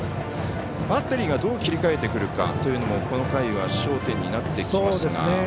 バッテリーがどう切り替えてくるのかというのもこの回は焦点になってきますが。